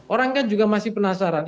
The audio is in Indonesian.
orang kan juga masih penasaran